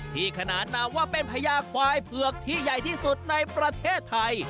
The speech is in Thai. ขนานนามว่าเป็นพญาควายเผือกที่ใหญ่ที่สุดในประเทศไทย